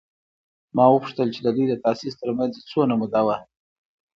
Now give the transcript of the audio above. ما وپوښتل چې د دوی د تاسیس تر منځ څومره موده وه؟